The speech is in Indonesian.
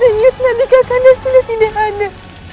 dan ingatlah di kakanda sudah tidak ada